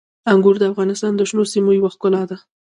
انګور د افغانستان د شنو سیمو یوه ښکلا ده.